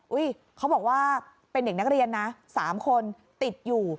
เขาบอกว่าเป็นเด็กนักเรียนนะ๓คนติดอยู่